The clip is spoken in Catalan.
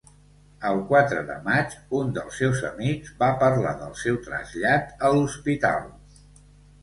El quatre de maig, un dels seus amics va parlar del seu trasllat a l'hospital.